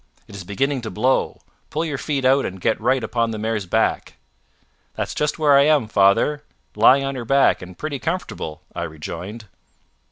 It is beginning to blow. Pull your feet out and get right upon the mare's back." "That's just where I am, father lying on her back, and pretty comfortable," I rejoined.